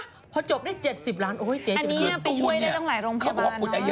อันนี้ไปช่วยได้ต้องหลายโรงพยาบาล